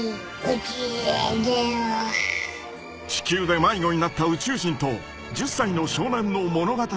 ［地球で迷子になった宇宙人と１０歳の少年の物語は］